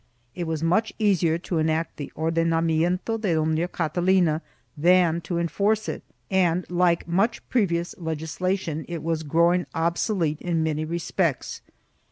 It was much easier to enact the Ordenamiento de Dona Catalina than to enforce it and, like much previous legislation, it was growing obsolete in many respects.